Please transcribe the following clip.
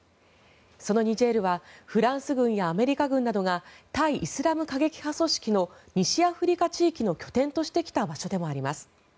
そのニジェールはフランス軍やアメリカ軍などが対イスラム過激派組織の西アフリカ地域の拠点としてきた場所でもあります。